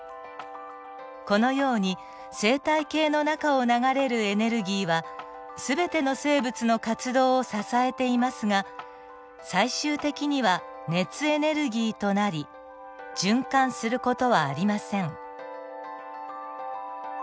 このように生態系の中を流れるエネルギーは全ての生物の活動を支えていますが最終的には熱エネルギーとなり循環する事はありません。